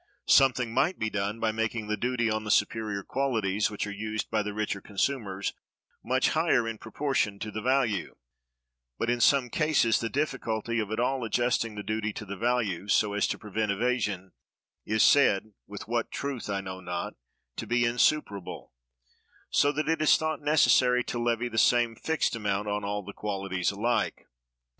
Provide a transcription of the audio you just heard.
Something might be done by making the duty on the superior qualities, which are used by the richer consumers, much higher in proportion to the value; but in some cases the difficulty of at all adjusting the duty to the value, so as to prevent evasion, is said, with what truth I know not, to be insuperable; so that it is thought necessary to levy the same fixed duty on all the qualities alike.